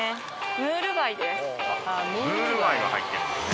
ムール貝が入ってるんですね。